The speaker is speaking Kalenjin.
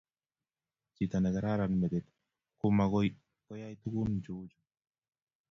tchito ne karan metit ko magoy koyai tugun che uu chuu